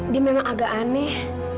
dia memang agak aneh